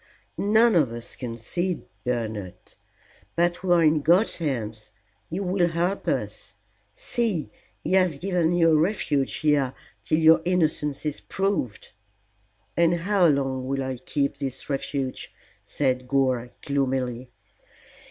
"None of us can see, Bernard. But we are in God's hands. He will help us. See, He has given you a refuge here till your innocence is proved." "And how long will I keep this refuge?" said Gore, gloomily.